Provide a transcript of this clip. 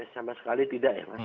sama sekali tidak ya mas